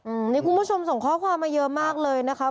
อืมนี่คุณผู้ชมส่งข้อความมาเยอะมากเลยนะคะ